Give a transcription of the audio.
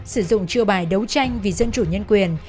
sử dụng chiêu bài đấu tranh vì dân chủ nhân quyền